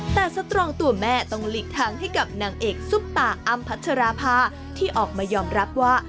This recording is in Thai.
แต่สตรองตัวแม่ต้องหลีกทางให้กับนางเอกซุปตาอ้ำพัชราภาที่ออกมายอมรับว่า